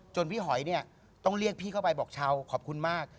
พี่หอยเนี่ยต้องเรียกพี่เข้าไปบอกชาวขอบคุณมาก